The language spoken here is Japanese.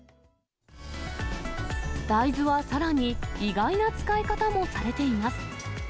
大豆はさらに意外な使い方もされています。